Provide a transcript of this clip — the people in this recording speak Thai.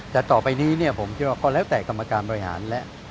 แต่ต่อไปนี้ผมคิดว่าก็แล้วแต่กรรมการบริหารและ